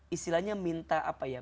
istilahnya minta apa ya